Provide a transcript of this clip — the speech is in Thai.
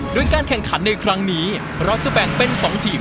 โดยการแข่งขันในครั้งนี้เราจะแบ่งเป็น๒ทีม